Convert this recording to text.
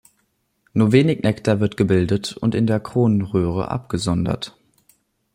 Nur wenig Nektar wird gebildet und in der Kronröhre abgesondert.